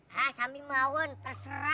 hah sami maun terserah